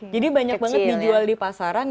jadi banyak banget dijual di pasaran